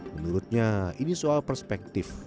menurutnya ini soal perspektif